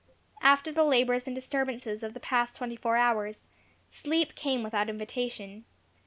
After the labours and disturbances of the past twenty four hours, sleep came without invitation.